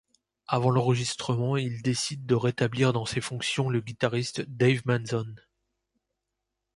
Avant l'enregistrement, ils décident de rétablir dans ses fonctions le guitariste Dave Mason.